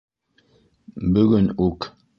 - Бөгөн үк.